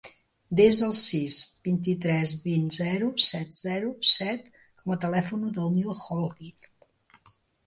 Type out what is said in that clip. Desa el sis, vint-i-tres, vint, zero, set, zero, set com a telèfon del Nil Holguin.